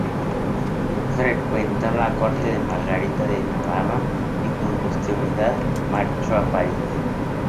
Frecuentó la corte de Margarita de Navarra, y con posterioridad marchó a París.